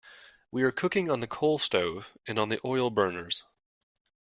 We are cooking on the coal stove and on the oil burners.